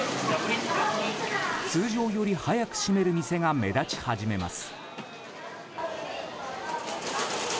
通常より早く閉める店が目立ち始めます。